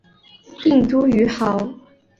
定都于亳。